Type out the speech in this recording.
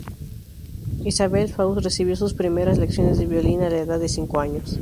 Isabelle Faust recibió sus primeras lecciones de violín a la edad de cinco años.